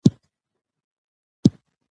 هغه د افغانستان په تاریخ کې یو اتل دی.